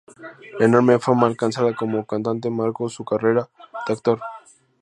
La enorme fama alcanzada como cantante marcó su carrera de actor.